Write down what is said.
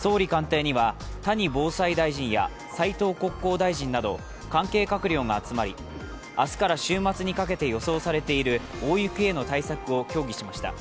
総理官邸には谷防災大臣や斉藤国交大臣など関係閣僚が集まり、明日から週末にかけて予想されている大雪への対策を協議しました。